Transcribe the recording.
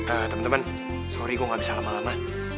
ah temen temen sorry gua ga bisa lama lama